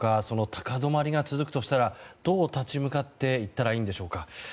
その高止まりが続くとしたらどう立ち向かっていったらいいんでしょうか。